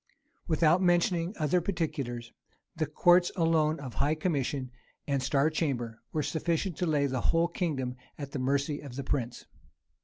Without mentioning other particulars, the courts alone of high commission and star chamber were sufficient to lay the whole kingdom at the mercy of the prince.